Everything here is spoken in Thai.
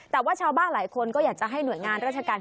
แต่ว่าชาวบ้านหลายคนก็อยากจะให้หน่วยงานราชการ